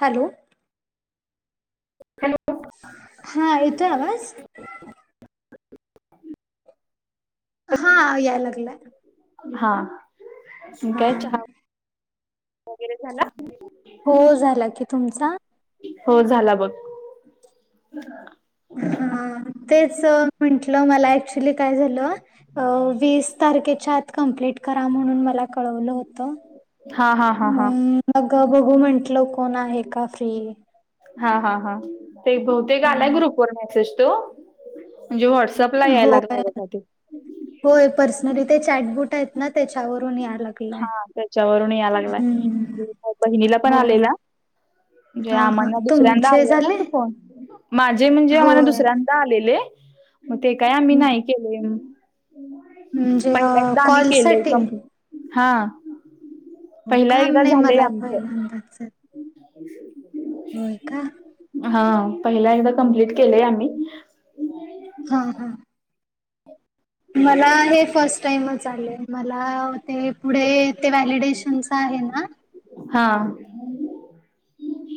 Hello hello हा येतोय आवाज? हा याय लागलाय. हा मी हा काय चहा वगैरे झाला? हो झाला की तुमचा हो झाला बघ. [inaudible] हा तेच म्हंटलं मला ऍक्च्युली काय झालं वीस तारखेच्या आत कंप्लीट करा म्हणून मला कळवलं होत. हा हा हा हा अं मग बघू म्हंटल कोण आहे का फ्री. हा हा हा ते बहूतेक हा आलाय ग्रुप वर मेसेज तो म्हणजे व्हॉट्सअप ला यायला लागलाय होय बघा ते होय पर्सनली ते चॅटबुट आहेत ना त्याच्यावरून या लागलाय हा त्याच्यावरून या लागलाय हम्म बहिणीला पण होय आलेला म्हणजे हा हा आम्हाला दुसऱ्यांदा तुमचे आला ना झाले तो फोन माझे म्हणजे आम्हाला होय दुसऱ्या आलेले मग ते काय आम्ही नाही केलो म्हणजे कॉलसाठी हां हो काम नाही मला [unintelligible] [inaudible] होय का हा पहिला एकदा कम्प्लीट केलंय आम्ही हा हा मला हे फर्स्ट टाइमच आले मला ते पुढे ते व्हॅलिडेशनच आहे ना हा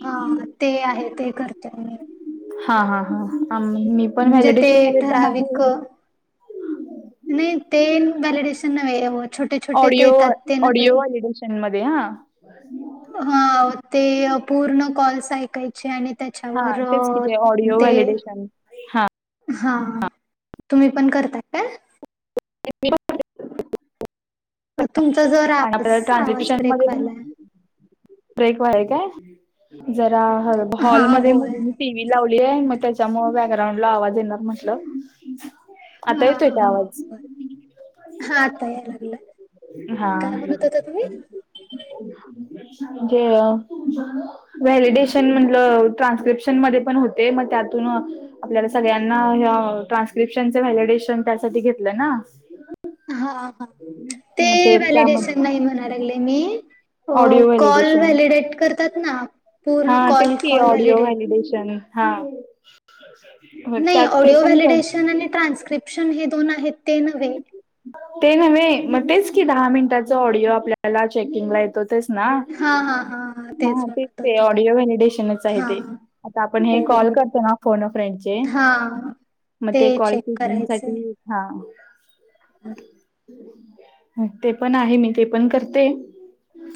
हा ते आहे ते करते मी. हा हा हा मी पण म्हणजे ते व्हॅलिडेशनमध्ये पण आहे. ठराविक नाही ते वलिडेशन नवे होत ऑडिओ ऑडिओ वलिडेशन मध्ये हा हा ते पूर्ण कॉल्स ऐकायचे आणि हा त्याच्यावर तेच कि ते ऑडिओ ते व्हॅलिडेशन हा हा तुम्ही पण करता काय? तुमचा जर आणि आपल्याला आवाज आवाज ट्रान्स्क्रिप्शन ब्रेक मध्ये पण व्हालाय. ब्रेक वालाय काय जरा हा हॉलमध्ये मु होय टी व्ही लावली आहे मग त्याच्यामुळ बॅकग्राउंड ला आवाज येणार म्हटलं. हा आता येतोय का हा आवाज? बर हा आता या लागलाय. हा काय म्हणत होता तुम्ही? तजे व्हॅलिडेशन म्हटलं ट्रान्स्क्रिप्शन मध्ये पण होते मग त्यातून आपल्याला सगळ्यांना ट्रान्स्क्रिप्शनच व्हॅलिडेशन त्यासाठी घेतलं ना. हा हा ते मग त्यामध्ये व्हॅलिडेशन नाही म्हणागले मी अ ऑडिओ कॉल व्हॅलिडेशन व्हॅलिडेट करतात ना हा पूर्ण तेच कॉल क कॉल ऑडिओ व्हॅलिडेट वॉलिडेशन हा [unintelligible] नाही ते ऑडिओ पण कर व्हॅलिडेशन आणि ट्रान्स्क्रिप्शन हे दोन आहेत ते नव्हे ते नव्हे म तेच की दहा मिनटाचा ऑडिओ आपल्याला चेकिंगला येतो ना हा हा हा तेच म्हणत ते होते ऑडिओ व्हेडिडेशनच आहे हा ते आता आपण हे हो कॉल करतो ना फोन फ्रेंडचे हा मग ते कॉल चेकिंग साठी हा हम् [unintelligible] ते पण आहे मी ते पण करते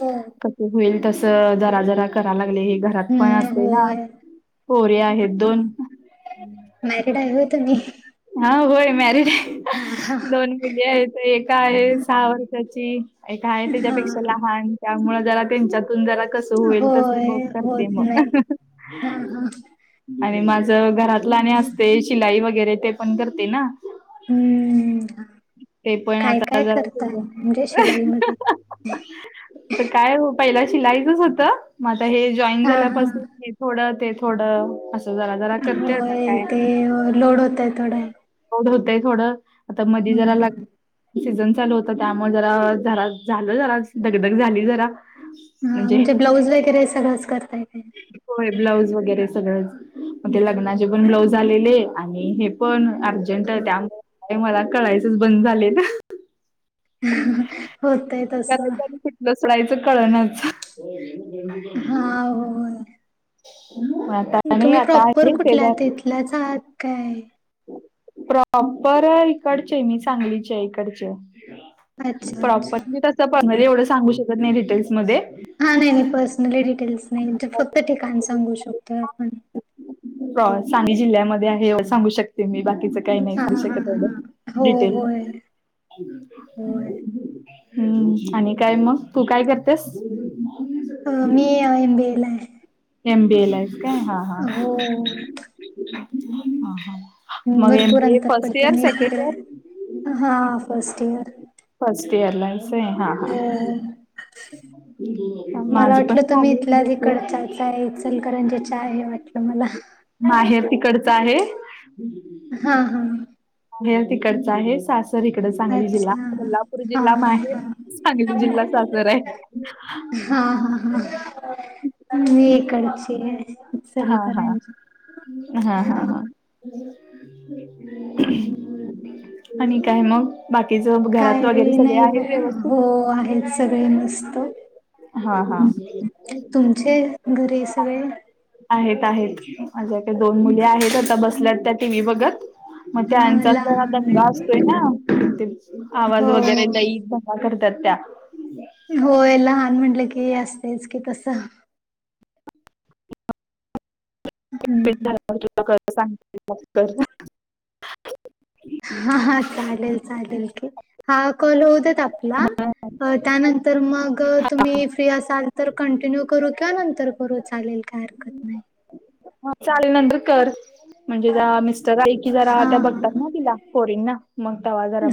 हो कधी होईल तस जरा जरा करा लागले, हे घरात पण हम्म असते, ना होय पोर्या आहेत हा दोन. मॅरिड आहे हो तुमी. हा होय मॅरी हा ह कली आहे एका आहे सहा वर्षाची ऐ काय हा त्याच्यापेक्षा हा लहान त्यामुळ जरा त्यांच्यातून जरा कसं होईल तसं होय मग करते होत मग नाही हा अ हा आणि माझ घरातल अन् असते शिलाई वगैरे ते पण करते ना हम ते पण आता जा आ करताय म्हणजे शिलाईमध्ये काय पहिला शिलाईचच होतं मग आता हे जॉईन हा झाल्यापासून हा हे थोडं तेच थोडं असं जरा जरा करते आता होय काय. ते लोड होत आहे थोडं होतय थोडं आता मध्ये जरा लग हम्म सीझन चालू होत त्यामुळे जरा जरा झालं, जरा धगधग झाली जरा. ह म्हणजे ब्लाऊज वगैरे सगळंच करताय का. ब्लाऊज वगैरे सगळं म्हणे लग्नाचे पण ब्लाउज आलेले आणि हे. पण अर्जंट त्यामुळे मला कळायचंच बंद झाले. होतय ते तसं करायचं आणि कुटलं सडायचं कळणच. ह हो. ह् [unintelligible] तुम्ही प्रॉपर कुठल्याात येथलाच आहात काय. प्रॉपर इकडचे मी सांगलीचे आहे इकडचे. अच्छा अच्छा प्रॉपर्टी तसं पनली एवढं सांगू शकत नाही डिटेल्समध्ये. हा नाही नाही पर्सनली डिटेल्स नाही, फक्त ठिकाण सांगू शकतोय आपण. सांगली जिल्ह्यामध्ये आहे सांगू शकते मी बाकीच. काही नाही हा कर हा शकत हा हो डिटेल. होय होय अ, हम्म आणि काय मग तू काय करतेस. हो मी एम बी ए आहे एम बी ए ला आहेस काय हा हा. हो ह् मग एम भरपूर बी ए अंतर फर्स्ट पडते इयर नीट ते सेकंड इयर हा फर्स्ट इयर. फस्ट इयर आहेस आहे हा ह हो माझ पण झाले. कड चा आहे इचलकरंजीचा हे वाटलं मला. तिकडचं आहे. हम् [unintelligible] हा हा. माहेर तिकडच आहे, सासर इकड सांगली जिल्हा अच्छा कोल्हापूर हा जिल्हा हा माहेर. हा सांगली जिल्हा सासर आहे. हा हा हा म करची. हा हा हा हा हा. आणि काय मग. बाकीच काय घरात वगैरे सगळे नाही आहेत बघा व्यवस्थित. हो आहे. सगळे मस्त हा हा तुमचे घरी सगळे. आहेत आहेत माझ्या काही दोन मुली आहेत, आता बसल्यात त्या टी व्ही बघत. मग हा त्यांचा ज लहान दंगा असतोय आहेत ना आवाज हो वगैरेला. करतत्या [unintelligible] होय लहान म्हटलं की असतेच की तसं. हम्म [unintelligible] [inaudible] हा हा चालेल चालेल की हा कल होतात आपला त्यानंतर मग तुम्ही फ्री असाल तर कंटिन्यू करू का? नंतर करू चालेल? काय हरकत नाही. ह चाले नंतर कर म्हणजे, ज मिस्टर आई की जरा हा त्या बघतात ना तिला फोरन ना.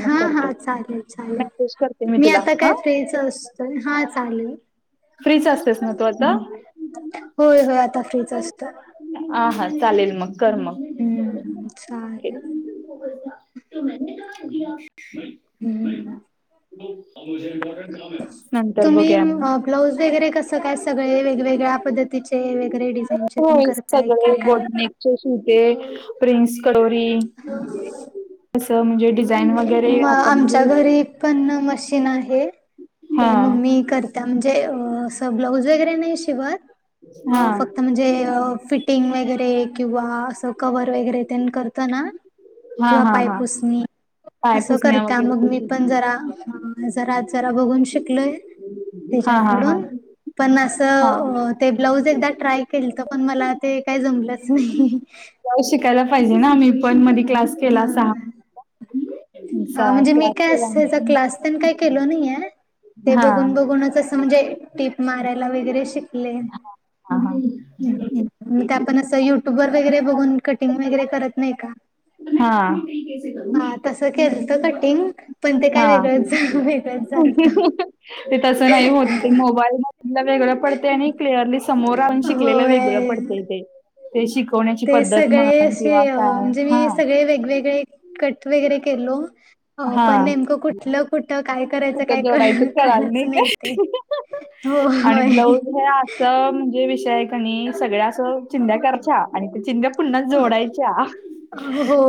हा हा चालेल चालेल, मेसेज करते मी तुला आता काय हा फ्रीच अस. हा चालेल. फ्रीच असतेस ना तू आता? होय होय आता फ्रीच असत. आ हा चालेल मग कर मग. हम्म सय [unintelligible] त म का [unintelligible] हम्म [unintelligible] नंतर तुम्ही बघू. ब्लाऊज वगैरे कसं काय सगळे, वेगवेगळ्या पद्धतीचे वेगरे डिझाईनचे. तेन होय करताय सगळे की काय बॉटनेकचे सुूते प्रिन्स कडोरी ह. तसं म्हणजे डिझाईन वगैरे आता आमच्या म्हणजे घरी पण मशीन आहे हा ते मम्मी करते. म्हणजे असं ब्लाऊज वगैरे नाही शिवत हा अं फक्त म्हणजे फिटिंग वगैरे किंवा असं कवर वगैरे तेन करताना. हा किंवा हा हा पायपुसणी पाय असं पुसण्या करता मग वगैरे मी पण जरा जरा जरा बघून शिकली. हा हा तच्याकडून हा पण हा असं. ते ब्लाऊज एकदा ट्राय केलत पण मला ते काय जमलंच नाही. ब्लाऊज शिकायला पाहिजे ना मी पण मधी क्लास केला होता. अ हा म्हणजे मी काय अस त्याचा क्लास पण काही केलो नाही आहे. ते हा बघून बघूनच असं म्हणजे टिप मारायला वगैरे शिकले. हा हा मग ते आपण असं युट्यूब वर वगैरे बघून कटिंग वगैरे करत नाही का? हा. हा तसं केलंत कटिंग पण ते काय हा वेगळंच झालं वेगळच झालत. ते तसं नाही होत ते मोबाईल वेगळं पडतेय आणि क्लिअरली समोर आणून शिकलेलं वेगळं होय पडतय ते. ते शिकवण्याची ते पद्धत सगळे म्हण असे किंवा अ काय. म्हणजे मी हां सगळे वेगवेगळे कट वगैर केलो पण हां. नेमक कुठे? कठलं कुठ काय करायचं काय कुठं करायचं जोडायचं कळालं कळलंच नाही काय. ते हो आणि होय ब्लाऊज हे आसय म्हणजे विष आहे कणी सगळ्या असं चिंद्या करच्या आणि चिंद्या पुन्हा जोडायच्या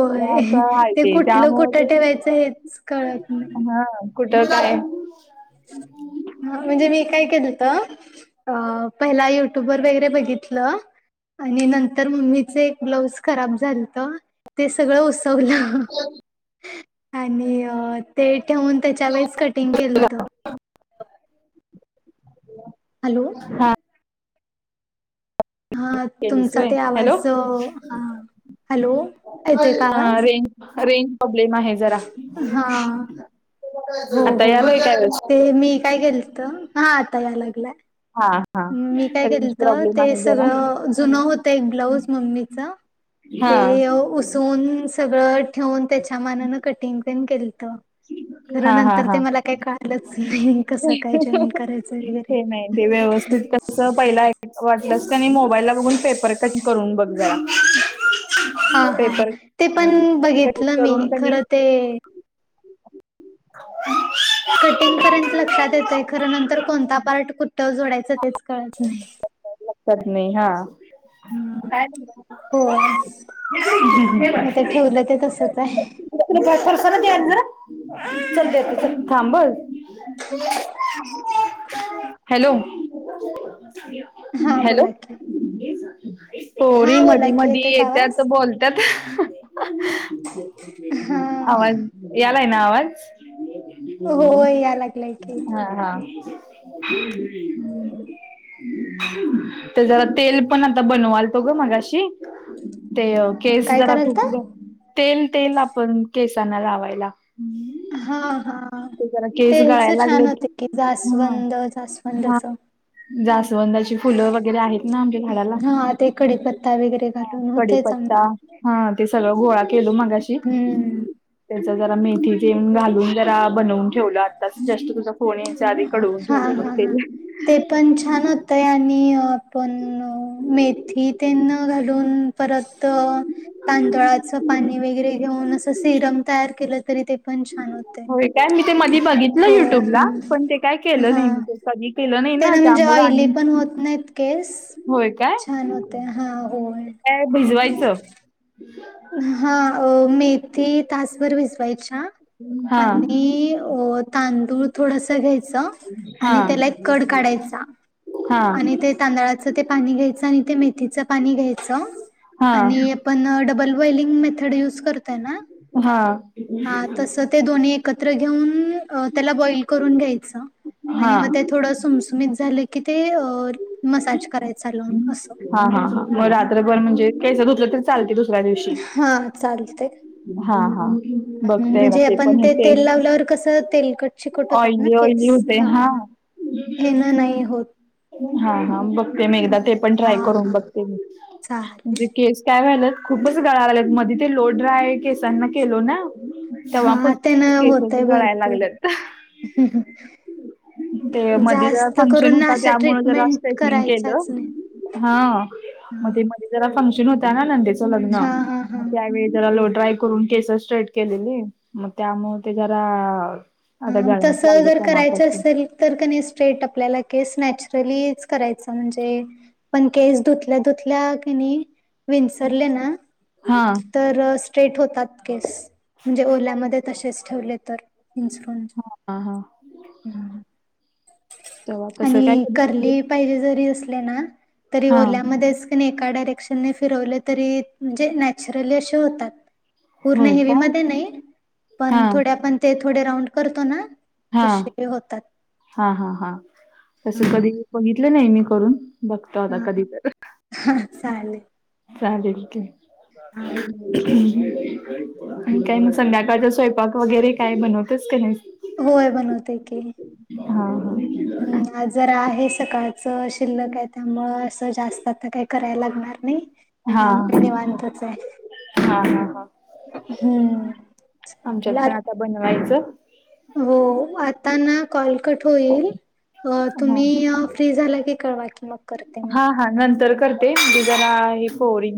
ते असं हाय ते कुठलं त्यामुळे कुठं ते ठेवायचं हेच कळत नाही. हां कुठं काय? हा म्हणजे मी काय केलंत. अ पहिला युट्यूब वर वगैरे बघितलं. आणि नंतर मम्मीचं एक ब्लाऊज खराब झालत. ते सगळं उसवलं आणि अं ते ठेवून त्याच्या वेळेस कटिंग केलत. हॅलो हां हा तुमचा ते हॅलो आवाज अ, हा हॅलो येतोय का आवाज? रेंज प्रॉब्लेम आहे जरा हा हो आता हो हो यालाय काय वेळेस? ते मी काय केेलत हा आता याय लागलाय. हा हा मी काय रेंज केलंत प्रॉब्लेम ते आहे जरा सगळं जुनं होत एक ब्लाऊज मम्मीच ते हा उसवून सगळं ठेऊन त्याच्या मानानं कटिंग पण केलत. खरं हा हा नंतर ते हा मला काय कळालंच नाही? कसं काय जॉईन करायचं? वगैरे ते नाही ते व्यवस्थित त पहिला वाटलंस क नाही मोबाईल ला बघून पेपर कट करून बघ जरा. हा हा पेपर ते पण कट बघितलं मी करून कनी खर ते कटिंग पर्यंत लक्षात येतय खर नंतर कोणता पार्ट कुठ जोडायचं तेच कळत नाही. लक्षात नाही हा [inaudible] हम्म. होय मग ते ठेवलं ते तसच आहे. थांब ह हॅलो, हा हॅलो. बोला की पोरी हा बोला मधी की मधी येतोय का आवाज? येत्याच बोल त्यात हा आवाज यालाय ना आवाज हो या लागलाय की. हा हा हम्म. तर जरा तेल पण आता बनवालतो ग मगाशी. ते केस काय जरा खूप करालता? तेल तेल आपण केसांना लावायला. हा हा ते जरा ते केस हेच गळायला छान लागलेत होते की हा जास्वंद हा जास्वंदच. जास्वंदाची फुलं वगैरे आहेत ना आमच्या झाडाला. हा ते कडीपत्ता वगैरे घालून होतय कडीपत्ता चांगलं. हा ते सगळं गोळा केलो मगाशी. हम्म. त्याच जरा मेथी तेन घालून जरा बनवून ठेवलं आता जस्ट तुझा फोन आधी कडवून हा ठेवलंय बघ हा ह तेल ते पण छान होतय. आणि आपण मेथी तेन घालून परत तांदुळाच पाणी वगैरे घेऊन असं सिरम तयार केलं तरी ते पण छान होत. होय काय मी ते मधी बघितलं युट्यूबला पण ते काय केलं नाही मी ते कधी केलं नाही. ते ना म्हणजे त्यामुळे ऑइली आणि पण होत नाहीत केस होय काय छान होते. हा होय. काय भिजवायचं हा मेथी तासभर भिजवायच्या. हा आणि अ तांदूळ थोडस घ्यायच. हा आणि त्याला एक कड काढायचा हा ते तांदळाच ते पाणी घ्यायच आणि ते मेथीच पाणी घ्यायचं हा हा आणि आपण डबल व्हेलिंग मेथड यूज करताय ना हा हा हा तसंच ते दोन्ही एकत्र घेऊन त्याला बॉयल करून घ्यायच हा आणि मग त्यात थोडं सुमसुमीत झालं की ते मसाज करायच लावून असं हा हा मग रात्रभर म्हणजे केस धुतलं तरी चालते दुसऱ्या दिवशी. हा चालतय. हा हा बघतेय ते आपण पण इथे तेल लावल्यावर कसं तेलकट चिकट होतात ना ऑइली ऑइली केस होतय हा हेन नाही होत. हा हा बघते मी एकदा ते पण हा ट्राय करून हा बघते मी म्हणजे चालेल केस काय वा्हालंत खूपच गळायल्यात मध्ये ते लो ड्राय केसांना केलो ना. हा तेव्हापासून केसेच गळायला लागलेत. ह ते मध्ये जरा फंक्शन होता अशा त्यामुळे जरा ट्रीटमेंट स्ट्रेटनिंग केलं. करायच्याच नाही हा म म [unintelligible] ते जरा फंक्शन होत ना नंदेच लग्न हा हा हा त्यावेळी जरा लो ड्राय करून केस स्ट्रेट केलेली मग त्यामुळे ते जरा आता हा गळायच तसं लागलं जर करायचं तेव्हापासून असेल. तर कणी स्ट्रेट आपल्याला केस नॅचरलीच करायचा म्हणजे. पण केस धुतल्या धुतल्या की नाही विंचरले ना. हा तर स्ट्रेट होतात केस म्हणजे ओल्यामध्ये तसेच ठेवले तर. [unintelligible] हा हा हा तेव्हा तसं काय आणि कधी करू. करली पाहिजे जरी असली ना तरी हा ओल्यामधेच एका डायरेक्शनने फिरवले तरी म्हणजे नॅचरली असे होतात. पूर्ण होय हेवी का मध्ये नाही हा पण थोडे आपण ते थोडे राऊंड करतो ना हा तसे होतात. हा हा हा तस कधी हा बघितले नाही मी करून, बघतो आता कधी तर. ह चालेल चालेल ठीक आहे. हा आणि काय मग संध्याकाळचा स्वयंपाक वगैरे काय बनवतेस का नाही. होय बनवते की, हा हम्म जरा आहे सकाळचं शिल्लक आहे त्यामुळं असं जास्त आता काही करायला लागणार नाही. हा हा त्यामुळे निवांतच आहे हा हा हा. हम्म [unintelligible] आमच्यात पण आता बनवायचं. हो आता ना कॉल कट होईल हा तुम्ही फ्री झाला की कळवा की मग. करते मी. हा हा नंतर करते मी जरा हे. [unintelligible]